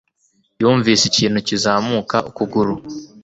Yumvise ikintu kizamuka ukuguru.